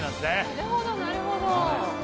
なるほどなるほど。